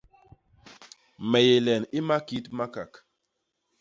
Me yé len i makit Makak.